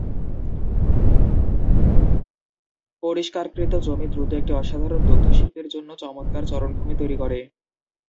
পরিষ্কারকৃত জমি দ্রুত একটি অসাধারণ দুগ্ধ শিল্পের জন্য চমৎকার চারণভূমি তৈরি করে।